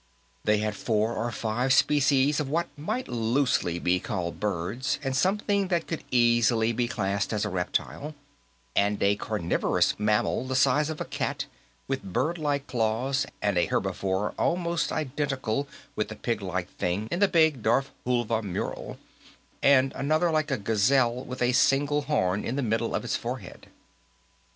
They had four or five species of what might loosely be called birds, and something that could easily be classed as a reptile, and a carnivorous mammal the size of a cat with birdlike claws, and a herbivore almost identical with the piglike thing in the big Darfhulva mural, and another like a gazelle with a single horn in the middle of its forehead.